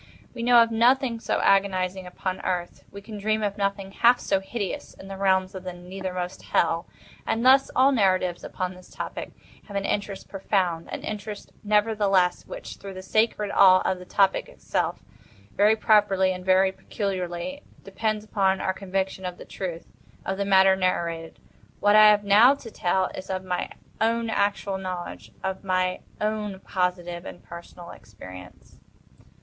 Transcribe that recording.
We know of nothing so agonizing upon Earth—we can dream of nothing half so hideous in the realms of the nethermost Hell. And thus all narratives upon this topic have an interest profound; an interest, nevertheless, which, through the sacred awe of the topic itself, very properly and very peculiarly depends upon our conviction of the truth of the matter narrated. What I have now to tell is of my own actual knowledge—of my own positive and personal experience.